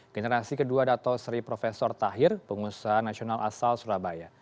generasi kedua dato sri profesor tahir pengusaha nasional asal surabaya